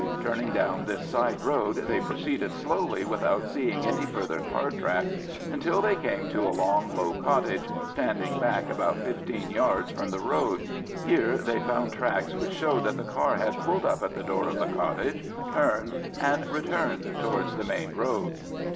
Turning down this side road, they proceeded slowly without seeing any further car tracks until they came to a long low cottage, standing back about fifteen yards from the road. Here they found tracks which showed that the car had pulled up at the door of the cottage, turned, and returned towards the main road.